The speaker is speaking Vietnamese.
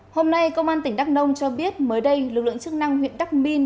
hôm nay công an tỉnh đắk nông cho biết mới đây lực lượng chức năng huyện đắc minh